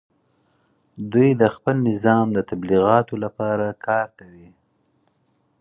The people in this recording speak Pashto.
دوی د خپل نظام د تبلیغاتو لپاره کار کوي